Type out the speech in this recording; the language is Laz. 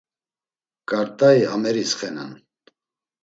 K̆artai ameris xenan.